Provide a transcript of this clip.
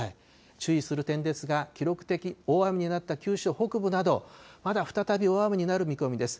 注意する点ですが、記録的大雨になった九州北部など、まだ再び大雨になる見込みです。